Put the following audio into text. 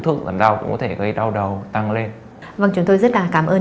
thuốc ẩn đau cũng có thể gây đau đầu tăng lên vâng chúng tôi rất là cảm ơn